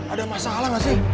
ada masalah gak sih